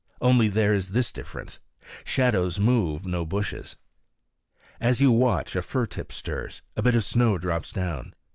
Only there is this difference: shadows move no bushes. As you watch, a fir tip stirs; a bit of snow drops down.